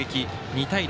２対０。